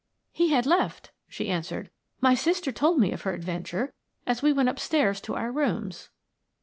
"He had left," she answered. "My sister told me of her adventure as we went upstairs to our rooms."